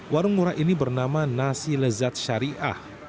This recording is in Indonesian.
warung murah ini bernama nasi lezat syariah